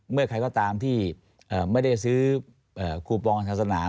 เมื่อใครก็ตามที่ไม่ได้ซื้อคูปองศาสนา